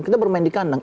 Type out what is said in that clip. kita bermain di kandang